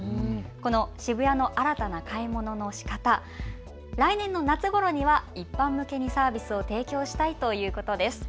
この渋谷の新たな買い物のしかた、来年の夏ごろには一般向けにサービスを提供したいということです。